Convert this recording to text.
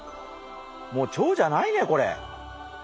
もうチョウじゃないねこれ。